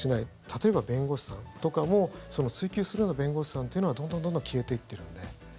例えば、弁護士さんとかも追及するような弁護士さんというのはどんどんどんどん消えていってるので。